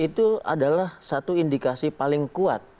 itu adalah satu indikasi paling kuat